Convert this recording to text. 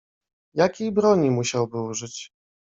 "Jakiej broni musiałby użyć?"